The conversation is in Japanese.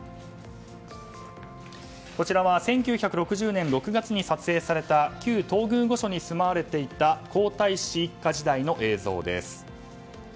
こちらは１９６０年６月に撮影された旧東宮御所に住まわれていた皇太子一家時代の映像です。